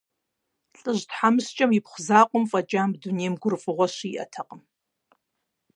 ЛӀыжь тхьэмыщкӀэм ипхъу закъуэм фӀэкӀа мы дунейм гурыфӀыгъуэ щиӀэтэкъым.